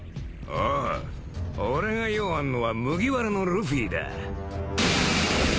おう俺が用あんのは麦わらのルフィだ。